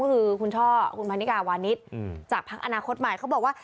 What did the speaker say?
คือคุณท่อคุณพันธิกาวานิทอืมจากภาคอนาคตใหม่เขาบอกว่า